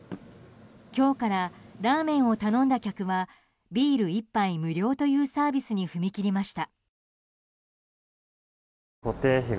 今日からラーメンを頼んだ客はビール１杯無料というサービスに踏み切りました。